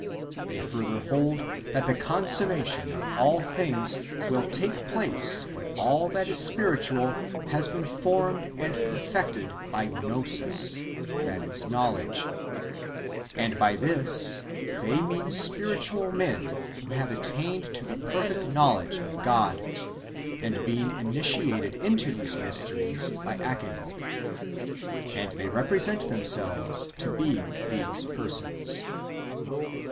They further hold that the consummation of all things will take place when all that is spiritual has been formed and perfected by Gnosis (knowledge) ; and by this they mean spiritual men who have attained to the perfect knowledge of God, and been initiated into these mysteries by Achamoth. And they represent themselves to be these persons.